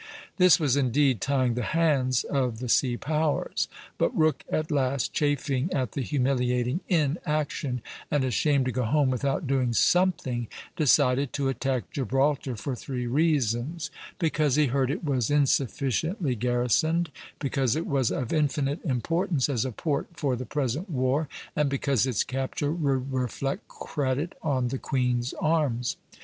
This was indeed tying the hands of the sea powers; but Rooke at last, chafing at the humiliating inaction, and ashamed to go home without doing something, decided to attack Gibraltar for three reasons: because he heard it was insufficiently garrisoned, because it was of infinite importance as a port for the present war, and because its capture would reflect credit on the queen's arms.